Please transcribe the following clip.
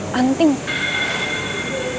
kalau harus dibatasi kenapa tuh ini brilio